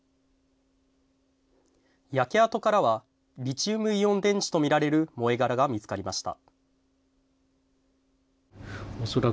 焼け跡からはリチウムイオン電池とみられる燃え殻が見つかりました。